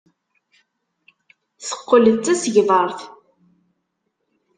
Teqqel d tasegbart.